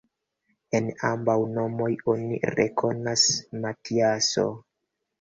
En ambaŭ nomoj oni rekonas: Matiaso.